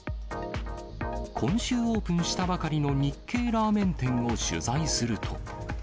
今週オープンしたばかりの日系ラーメン店を取材すると。